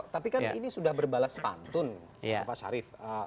tapi kan ini sudah berbalas pantun pak syarif